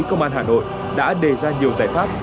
công an hà nội đã đề ra nhiều giải pháp